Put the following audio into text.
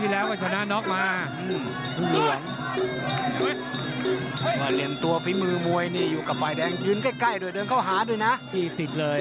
แล้วเดินเข้าข้างลิบ